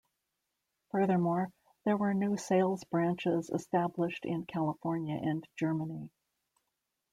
Furthermore, there were new sales branches established in California and Germany.